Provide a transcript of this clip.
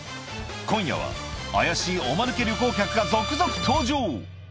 今夜は怪しいおマヌケ旅行客が続々登場